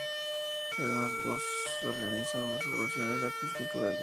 Además organiza celebraciones y actos culturales.